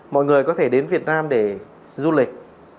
mọi người có thể đến việt nam để du lịch